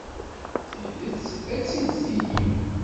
Tidet, ad tt-id-tini.